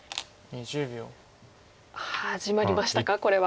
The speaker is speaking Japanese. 始まりましたかこれは。